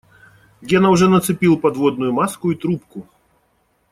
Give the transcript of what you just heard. Гена уже нацепил подводную маску и трубку.